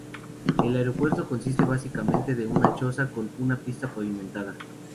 El aeropuerto consiste básicamente de una choza con una pista pavimentada.